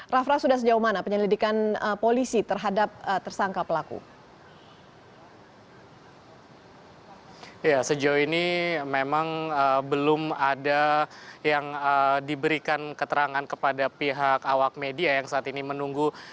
raff raf sudah sejauh mana penyelidikan polisi terhadap tersangka pelaku